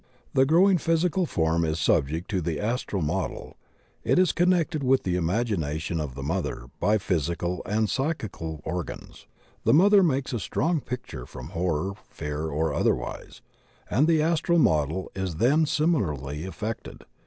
The growing physical form is subject to the astral model; it is connected with the imagination of the mother by physical and psychical organs; the mother makes a strong picture from horror, fear, or otherwise, and the astral model is then similarly affected.